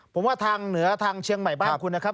ผมว่าทางเหนือทางเชียงใหม่บ้านคุณนะครับ